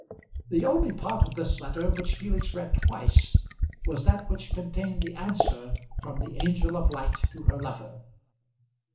The only part of this letter which Felix read twice was that which contained the answer from the angel of light to her lover.